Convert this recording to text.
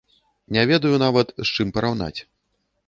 Не ведаю нават, з чым параўнаць.